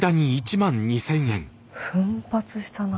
奮発したな。